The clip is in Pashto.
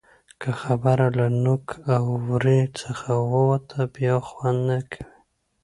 که خبره له نوک او ورۍ څخه ووته؛ بیا خوند نه کوي.